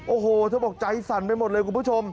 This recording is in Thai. โอ้โหเธอบอกใจสั่นไปหมดเลยคุณผู้ชม